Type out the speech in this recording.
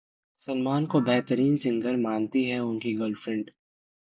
सलमान को बेहतरीन सिंगर मानती हैं उनकी 'गर्लफ्रेंड'